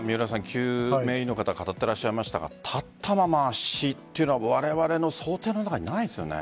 救命医の方語っていらっしゃいましたが立ったまま圧死というのはわれわれの想定の中にないですよね。